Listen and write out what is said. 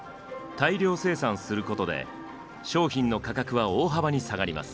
大量生産することで商品の価格は大幅に下がります。